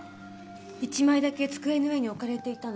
１枚だけ机の上に置かれていたの。